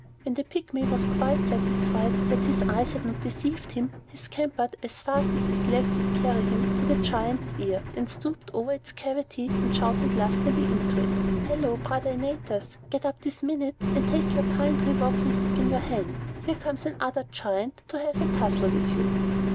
When the Pygmy was quite satisfied that his eyes had not deceived him, he scampered, as fast as his legs would carry him, to the Giant's ear, and stooping over its cavity, shouted lustily into it: "Halloo, brother Antaeus! Get up this minute, and take your pine tree walking stick in your hand. Here comes another Giant to have a tussle with you."